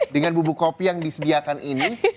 dengan bubuk kopi yang disediakan ini